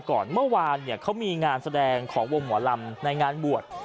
เมื่อวานเขามีงานแสดงของวงหมอลำในงานบวช